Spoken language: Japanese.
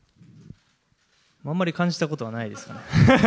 あんまり感じたことはないですかね。